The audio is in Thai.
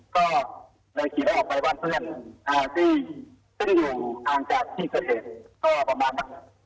ก็เลยขี่ได้ออกไปบ้านเพื่อนที่อยู่กลางจากที่เฉพาะประมาณ๒๐๐เมตร